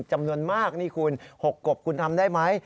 จำนวนมากนี่คุณ๖กบคุณทำได้ไหม